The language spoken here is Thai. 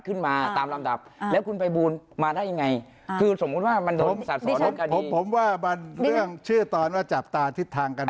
ขึ้นมาตามรำดับแล้วคุณภัยบูรณ์มาได้ยังไง